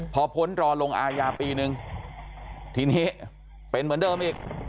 พอพ้นรอลงอายาปีนึงทีนี้เป็นเหมือนเดิมอีก